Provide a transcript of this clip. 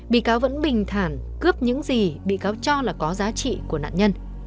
bị cáo vẫn bình thản cướp những gì bị cáo cho là có giá trị của nạn nhân